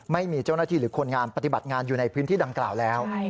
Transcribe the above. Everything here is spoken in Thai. ไม่มีเจ้าหน้าที่หรือคนงานปฏิบัติงานอยู่ในพื้นที่ดังกล่าวแล้ว